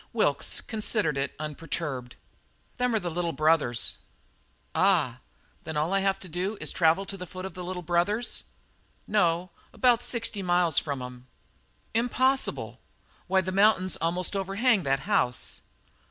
Wilkes considered it unperturbed. "Them are the Little Brothers." "Ah! Then all I have to do is to travel to the foot of the Little Brothers?" "No, about sixty miles from 'em." "Impossible! Why, the mountains almost overhang that house."